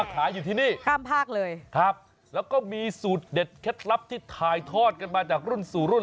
ขายอยู่ที่นี่ข้ามภาคเลยครับแล้วก็มีสูตรเด็ดเคล็ดลับที่ถ่ายทอดกันมาจากรุ่นสู่รุ่น